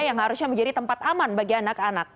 yang harusnya menjadi tempat aman bagi anak anak